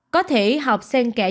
có thể học sen kẻ dân